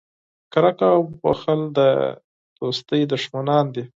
کرکه او بخل د دوستۍ دشمنان دي.